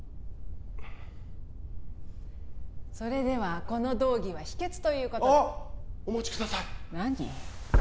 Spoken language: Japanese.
それではこの動議は否決ということであっお待ちください何？